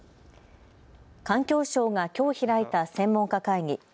環境省がきょう開いた専門家会議。